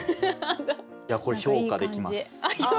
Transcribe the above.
これ評価できます。